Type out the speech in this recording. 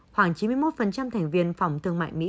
khoảng chín mươi một thành viên phòng thương mại mỹ